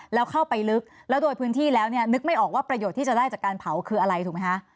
แล้วเข้าไปลึกแล้วโดยพื้นที่แล้วเนี่ยนึกไม่ออกว่าประโยชน์ที่จะได้จากการเผาคืออะไรถูกไหมคะ